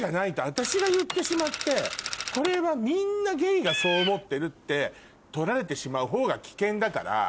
私が言ってしまってこれはみんなゲイがそう思ってるって取られてしまうほうが危険だから。